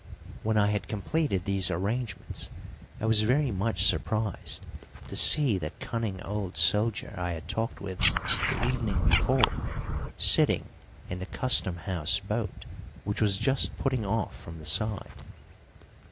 When I had completed these arrangements I was very much surprised to see the cunning old soldier I had talked with the evening before sitting in the Custom House boat, which was just putting off from the side.